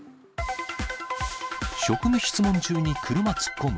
職務質問中に車突っ込む。